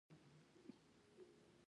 منډه د وجدان قوت ښيي